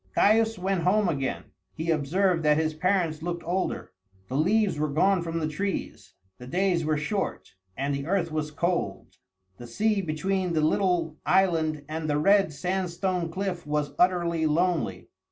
Caius went home again. He observed that his parents looked older. The leaves were gone from the trees, the days were short, and the earth was cold. The sea between the little island and the red sandstone cliff was utterly lonely.